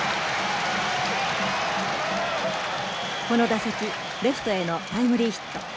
この打席レフトへのタイムリーヒット。